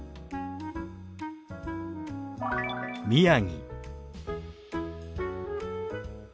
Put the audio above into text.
「宮城」。